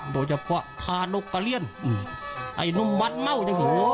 โดยเฉพาะทานกะเลี่ยนอื้อไอ้นุมวัดเม่าโอ้ย